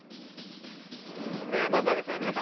まずは皆さん